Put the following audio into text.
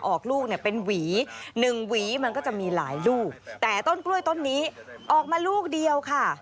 ออกลูกเนี่ยเป็นหวีหนึ่งหวีมันก็จะมีหลายลูกแต่ต้นกล้วยต้นนี้ออกมาลูกเดียวค่ะ